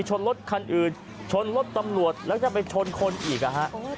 ชนรถขรรค์อื่นชนรถธรรมน์และอีกฮะ